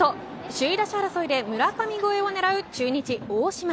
首位打者争いで村上超えを狙う中日、大島。